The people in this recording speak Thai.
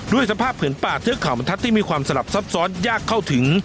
สภาพผืนป่าเทือกเขาบรรทัศน์ที่มีความสลับซับซ้อนยากเข้าถึง